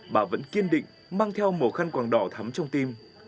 bà vẫn kiên định mang theo màu khăn quàng đỏ thắm trong tim